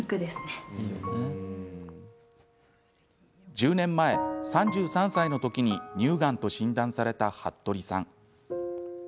１０年前、３３歳の時に乳がんと診断された服部さん。